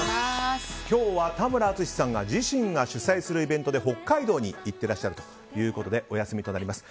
今日は田村淳さんが自身が主催するイベントで北海道に行ってらっしゃるということでお休みとなります。